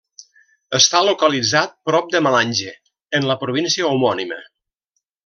Està localitzat prop de Malanje, en la província homònima.